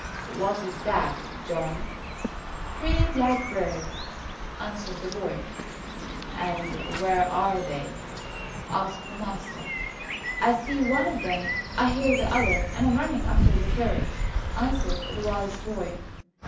"What is that, John?" "Three blackbirds," answered the boy. "And where are they?" asked the master. "I see one of them, I hear the other, and I am running after the third," answered the wise boy.